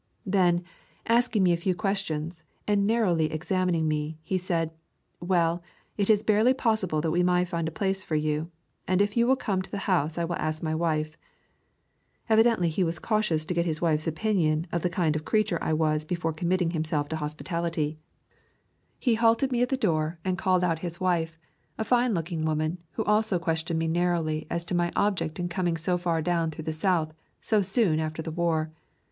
Then, asking me a few questions, and nar rowly examining me, he said, "Well, it is barely possible that we may find a place for you, and if you will come to the house I will ask my wife." Evidently he was cautious to get his wife's opinion of the kind of creature I was before committing himself to hospitality. He [ 61 ] a A Thousand Mile W alk halted me at the door and called out his wife, a fine looking woman, who also questioned me narrowly as to my object in coming so far down through the South, so soon after the war.